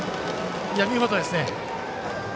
見事ですね。